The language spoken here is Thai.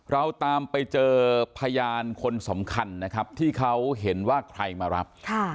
เราตามไปเจอพยานคนสำคัญนะครับที่เขาเห็นว่าใครมารับ